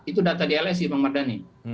itu data dlsi bang mardhani